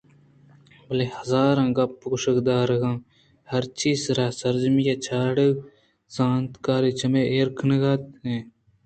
بلئے ہُژار ءُگپ گوش دارگ ءَ ہرچی ءِ سرا سرجمی ءَ چاڑکہ ءُزانت کاری چمےّ ایر کنگ ءَاِت اَنت